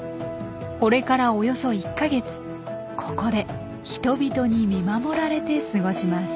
これからおよそ１か月ここで人々に見守られて過ごします。